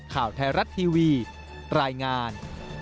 ข่าวไทยรัฐทีวีรายงาน